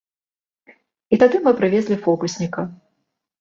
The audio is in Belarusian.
І тады мы прывезлі фокусніка.